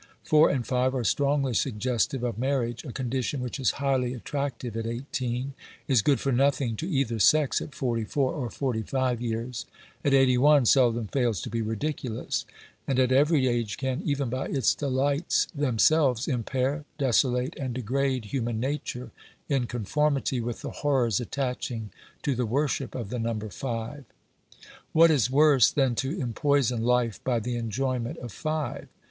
Four and five are strongly suggestive of marriage, a condition which is highly attractive at eighteen ; is good for nothing to either sex at forty four or forty five years ; at eighty one seldom fails to be ridiculous, and at every age can, even by its delights themselves, impair, desolate and degrade human nature in conformity with the horrors attaching to the worship of the number five. 204 OBERMANN What is worse than to empoison life by the enjoyment of five?